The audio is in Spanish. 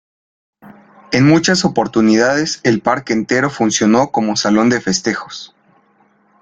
En muchas oportunidades el Parque entero funcionó como "Salón de Festejos".